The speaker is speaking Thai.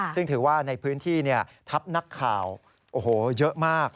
ซึ่งถือว่าในพื้นที่ทัพนักข่าวโอ้โหเยอะมาก